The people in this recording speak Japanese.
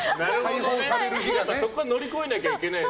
そこは乗り越えなきゃいけないんだ。